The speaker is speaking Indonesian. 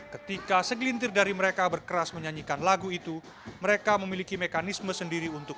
ketika segelintir dari mereka berkeras menyanyikan lagu itu mereka memiliki mekanisme sendiri untuk